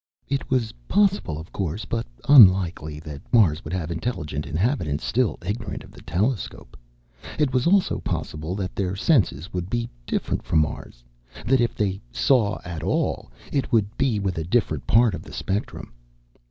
"It was possible, of course, but unlikely, that Mars would have intelligent inhabitants still ignorant of the telescope. It was also possible that their senses would be different from ours that, if they saw at all, it would be with a different part of the spectrum.